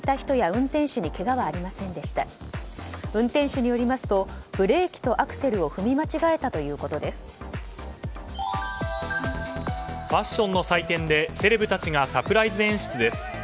運転手によりますとブレーキとアクセルをファッションの祭典でセレブたちがサプライズ演出です。